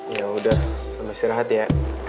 ya udah selama istirahat ya